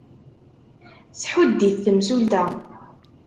Tḥudd-it temsulta.